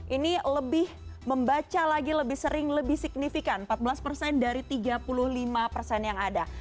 ini lebih membaca lagi lebih sering lebih signifikan empat belas persen dari tiga puluh lima persen yang ada